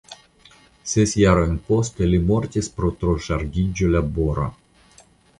Ses jarojn poste li mortis pro troŝargiĝo labora.